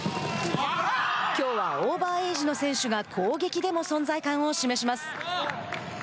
きょうはオーバーエイジの選手が攻撃でも存在感を示します。